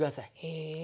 へえ。